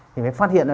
thì mới phát hiện ra